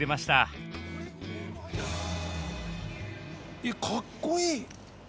えかっこいい！